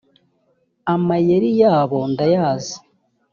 amayeri yabo ndayazi